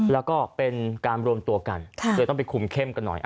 แล้วก็เป็นการรวมตัวกันเลยต้องไปคุมเข้มกันหน่อย